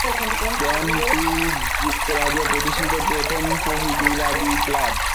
ক্যাম্পটি যুক্তরাজ্যে প্রতিষ্ঠিত প্রথম প্রকৃতিবাদী ক্লাব।